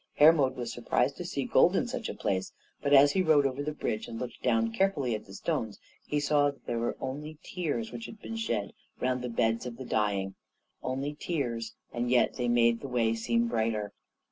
Hermod was surprised to see gold in such a place; but as he rode over the bridge, and looked down carefully at the stones, he saw that they were only tears which had been shed round the beds of the dying only tears, and yet they made the way seem brighter.